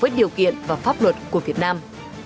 với điều kiện và pháp luật của việt nam